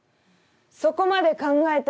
そこまで考えてやっと。